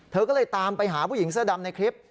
เธอก็เลยตามไปหาผู้หญิงเสื้อดำในคลิป